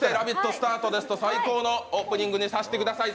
スタートですと最高のオープニングにさせてください。